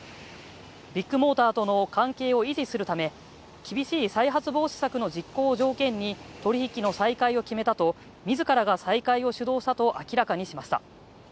ビッグモーターとの関係を維持するため厳しい再発防止策の実行を条件に取引の再開を決めたと自らが再開を主導したと明らかにしました。